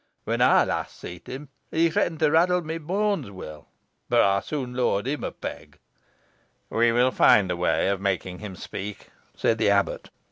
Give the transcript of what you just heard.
Whon ey last seet him, he threatened t' raddle me booans weel, boh ey sooan lowert him a peg." "We will find a way of making him speak," said the abbot.